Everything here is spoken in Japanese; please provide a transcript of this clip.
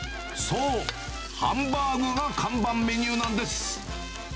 そう、ハンバーグが看板メニューなんです。